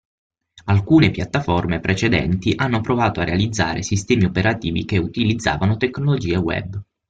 Alcune piattaforme precedenti hanno provato a realizzare sistemi operativi che utilizzavano tecnologie web.